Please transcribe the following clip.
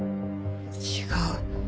違う。